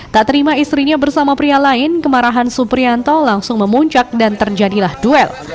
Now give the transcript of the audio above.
tak terima istrinya bersama pria lain kemarahan suprianto langsung memuncak dan terjadilah duel